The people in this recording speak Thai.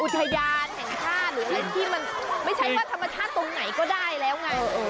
อุทยานแห่งชาติหรือเลขที่มันไม่ใช่ว่าธรรมชาติตรงไหนก็ได้แล้วไง